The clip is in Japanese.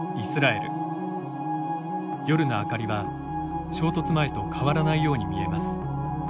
夜の明かりは衝突前と変わらないように見えます。